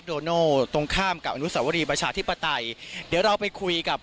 โน่ตรงข้ามกับอนุสาวรีประชาธิปไตยเดี๋ยวเราไปคุยกับ